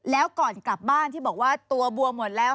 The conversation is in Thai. แล้วก่อนกลับบ้านที่บอกว่าตัวบัวหมดแล้ว